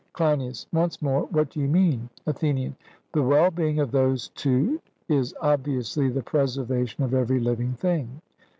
CLEINIAS: Once more, what do you mean? ATHENIAN: The well being of those two is obviously the preservation of every living thing.